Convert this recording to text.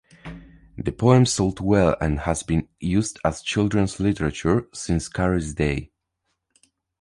The poem sold well and has been used as children's literature since Carey's day.